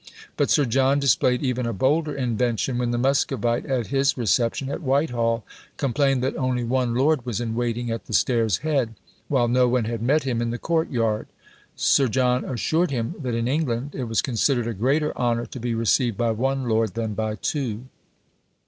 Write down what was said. But Sir John displayed even a bolder invention when the Muscovite, at his reception at Whitehall, complained that only one lord was in waiting at the stairs' head, while no one had met him in the court yard. Sir John assured him that in England it was considered a greater honour to be received by one lord than by two!